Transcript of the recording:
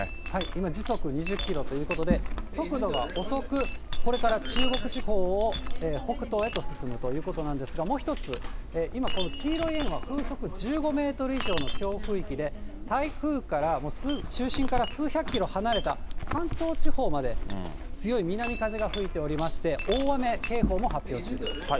今、時速２０キロということで、速度が遅く、これから中国地方を北東へと進むということなんですが、もう１つ、今、この黄色い円は風速１５メートル以上の強風域で、台風から、中心から数百キロ離れた関東地方まで、強い南風が吹いておりまして、大雨警報も発表中です。